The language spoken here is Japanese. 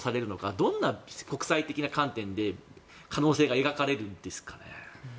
どんな国際的な観点で可能性が描かれるんですかね。